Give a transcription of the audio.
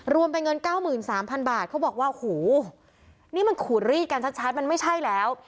รวมเป็นเงิน๙๓๐๐๐บาทเขาบอกว่าหูนี่มันขูดรีดกันชัดมันไม่ใช่แล้ว